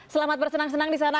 selamat bersenang senang di sana